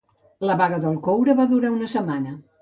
La vaga del coure va durar una setmana.